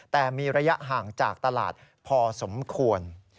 แต่มีระยะห่างจากตลาดพอสมควร